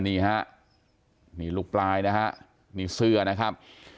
นี่ฮะนี่ลูกปลายนะฮะนี่เสื้อนะครับ